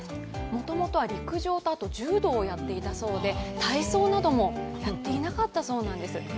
もともとは陸上と柔道をやっていたそうで、体操などもやっていなかったそうなんです。